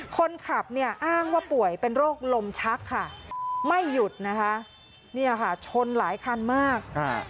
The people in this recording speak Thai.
คนขับเนี่ยอ้างว่าป่วยเป็นโรคลมชักค่ะไม่หยุดนะคะเนี่ยค่ะชนหลายคันมาก